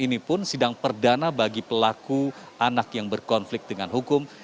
ini pun sidang perdana bagi pelaku anak yang berkonflik dengan hukum